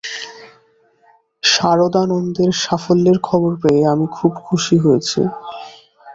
সারদানন্দের সাফল্যের খবর পেয়ে আমি খুব খুশী হয়েছি।